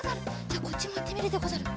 じゃこっちもいってみるでござる。